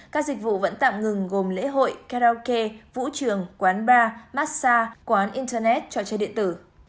các dịch vụ vẫn tạm ngừng gồm lễ hội karaoke vũ trường quán bar massage quán internet trò chơi điện tử